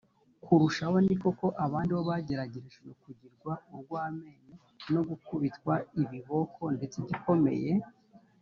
kurushaho ni koko abandi bo bageragereshejwe kugirwa urw amenyo no gukubitwa ibiboko ndetse igikomeye